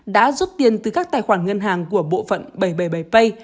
đã rút tiền từ các tài khoản ngân hàng của bộ phận bảy trăm bảy mươi bảy pay